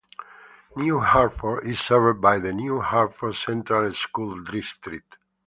New Hartford is served by the New Hartford Central School District.